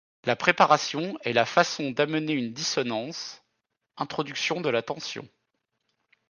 La préparation est la façon d'amener une dissonance — introduction de la tension.